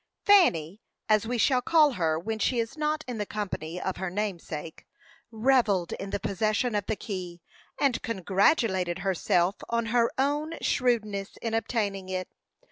Fanny as we shall call her when she is not in the company of her namesake revelled in the possession of the key, and congratulated herself on her own shrewdness in obtaining it.